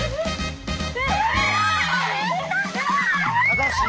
ただし。